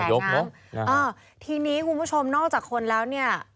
ทีนี้คุณผู้ชมนอกจากคนแล้วเนี่ย